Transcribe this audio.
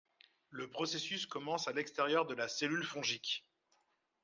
Le processus commence à l'extérieur de la cellule fongique.